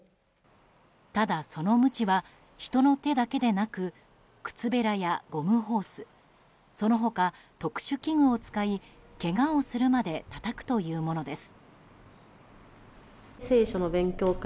ただ、そのむちは人の手だけでなく靴ベラやゴムホースその他、特殊器具を使いけがをするまでたたくというものです。